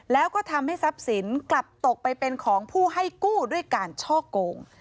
แล้วก็ทำให้ทรัพย์สินกลับตกไปเป็นของผู้ให้กู้ด้วยการช่อโกง